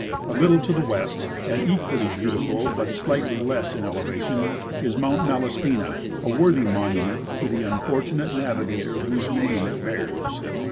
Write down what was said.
A little to the west, and equally beautiful but slightly less in elevation, is Mount Malaspina — a Avorthy monument to the unfortunate navigator whose name it bears.